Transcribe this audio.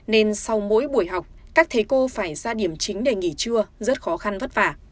nên sau mỗi buổi học các thầy cô phải ra điểm chính để nghỉ trưa rất khó khăn vất vả